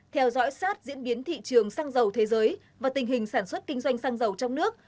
theo dõi sát diễn biến thị trường xăng dầu thế giới và tình hình sản xuất kinh doanh xăng dầu trong nước